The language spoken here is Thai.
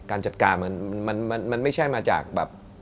จัดการมันไม่ใช่มาจากแบบ